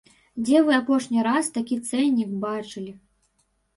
Дзе вы апошні раз такі цэннік бачылі?